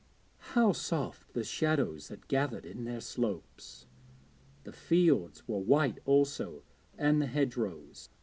how soft the shadows that gathered in their slopes! The fields were white also, and the hedgerows.